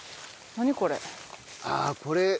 ああこれ。